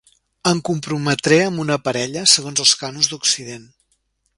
Em comprometré amb una parella segons els cànons d'occident.